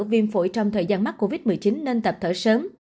viêm phổi trong thời gian mắc covid một mươi chín nên tập thở sớm